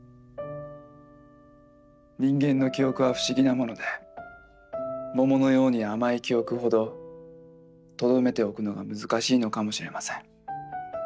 人間の記憶は不思議なもので桃のように甘い記憶ほどとどめておくのが難しいのかもしれません。